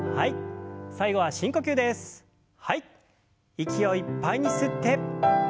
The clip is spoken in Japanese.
息をいっぱいに吸って。